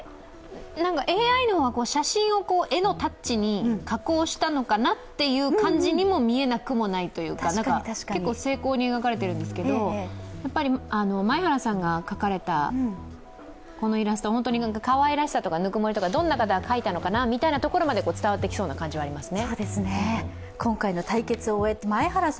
ＡＩの方が写真を絵のタッチに加工したのかなという感じに見えなくもないというか、結構精巧に描かれているんですけれども、前原さんが描かれたイラスト、本当にかわいらしさとかぬくもりとか、どんな方が描いたのかなという感じが伝わってきそうな感じはありますね。